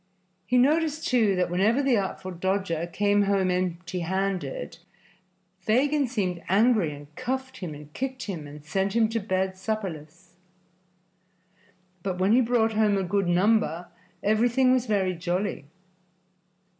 He noticed, too, that whenever the Artful Dodger came home empty handed Fagin seemed angry and cuffed and kicked him and sent him to bed supperless; but when he brought home a good number everything was very jolly.